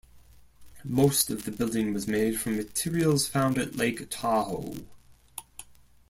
Most of the building was made from materials found at Lake Tahoe.